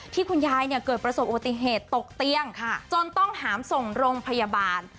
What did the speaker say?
คุณยายเกิดประสบอุบัติเหตุตกเตียงจนต้องหามส่งโรงพยาบาล